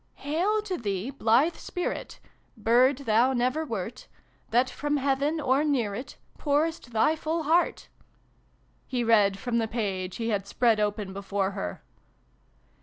'Hail to thee, blithe spirit ! Bird tJwu never wert, That from Heaven, or near it, P cures t thy f 11 II heart !'' he read from the page he had spread open before her.